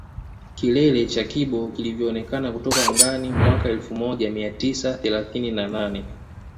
Kilele cha Kibo kilivyoonekana kutoka angani mwaka elfu moja mia tisa thelathini na nane